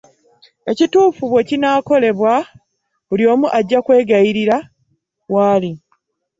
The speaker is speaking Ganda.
Ekituufu w'ekinaakolebwa buli omu agya kweyagalira wali.